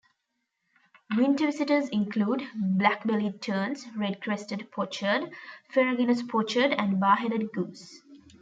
Winter visitors include black-bellied terns, red-crested pochard, ferruginous pochard and bar-headed goose.